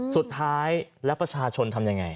สุดท้ายแล้วประชาชนทำยังไง